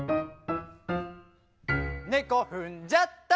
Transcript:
「ねこふんじゃった」